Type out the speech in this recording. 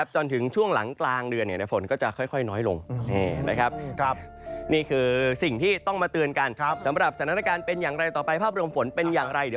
จนถึงช่วงหลังกลางเดือนฝนก็จะค่อยน้อยลง